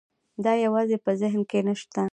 دا یوازې په ذهن کې نه شته.